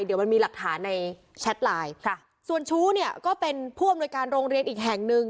เดี๋ยวมันมีหลักฐานในแชทไลน์ค่ะส่วนชู้เนี่ยก็เป็นผู้อำนวยการโรงเรียนอีกแห่งหนึ่ง